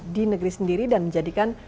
di negeri sendiri dan menjadikan